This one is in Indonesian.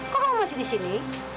kok kamu masih disini